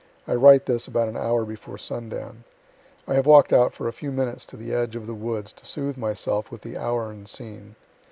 I write this about an hour before sundown. I have walk'd out for a few minutes to the edge of the woods to soothe myself with the hour and scene.